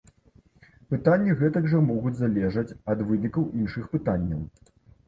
Пытанні гэтак жа могуць залежаць ад вынікаў іншых пытанняў.